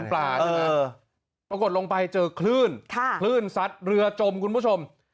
ใช่ไหมปรากฏลงไปเจอคลื่นคลื่นซัดเรือจมคุณผู้ชม